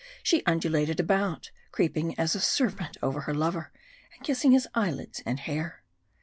She undulated about, creeping as a serpent over her lover, and kissing his eyelids and hair.